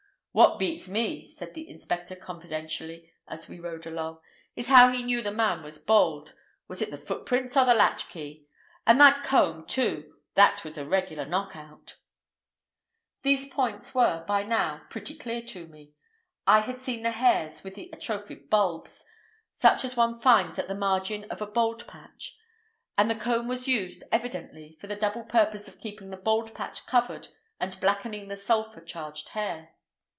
"What beats me," said the inspector confidentially, as we rode along, "is how he knew the man was bald. Was it the footprints or the latchkey? And that comb, too, that was a regular knock out." These points were, by now, pretty clear to me. I had seen the hairs with their atrophied bulbs—such as one finds at the margin of a bald patch; and the comb was used, evidently, for the double purpose of keeping the bald patch covered and blackening the sulphur charged hair.